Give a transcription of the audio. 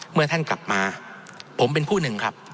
เมื่อท่านกลับมาผมเป็นผู้หนึ่งครับ